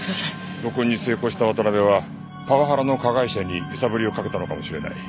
録音に成功した渡辺はパワハラの加害者に揺さぶりをかけたのかもしれない。